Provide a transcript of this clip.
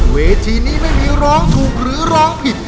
เวทีนี้ไม่มีร้องถูกหรือร้องผิด